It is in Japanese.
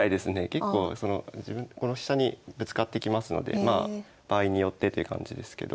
結構そのこの下にぶつかってきますので場合によってという感じですけど。